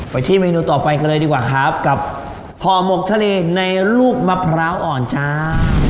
ที่เมนูต่อไปกันเลยดีกว่าครับกับห่อหมกทะเลในลูกมะพร้าวอ่อนจ้า